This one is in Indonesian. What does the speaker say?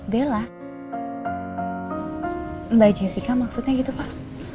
mbak jessica maksudnya gitu pak